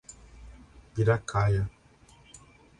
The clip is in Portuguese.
Piracaia